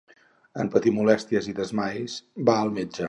En patir molèsties i desmais, va al metge.